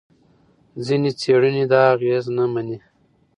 ځینې څېړنې دا اغېز نه مني.